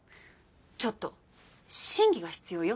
ちょっと審議が必要よ！